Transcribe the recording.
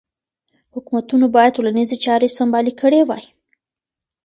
حکومتونو باید ټولنیزې چارې سمبالې کړې وای.